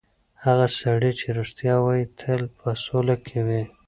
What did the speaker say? هغه سړی چې رښتیا وایي، تل په سوله کې وي.